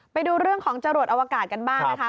ไปดูเรื่องของจรวดอวกาศกันบ้างนะคะ